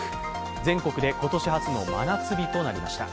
全国で今年初の真夏日となりました。